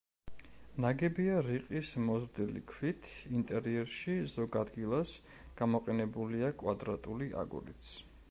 ნაგებია რიყის მოზრდილი ქვით, ინტერიერში, ზოგ ადგილას, გამოყენებულია კვადრატული აგურიც.